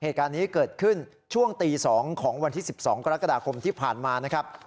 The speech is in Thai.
ที่เกิดขึ้นช่วงตี๒ของวันที่๑๒กรกฎาคมที่ผ่านมานะครับ